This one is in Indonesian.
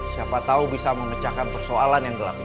siapa tahu bisa memecahkan persoalan yang gelap ini